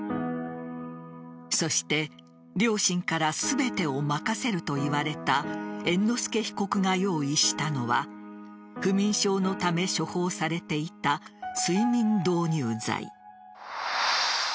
そして、両親から全てを任せると言われた猿之助被告が用意したのは不眠症のため処方されていた睡眠導入剤。